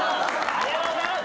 ・ありがとうございます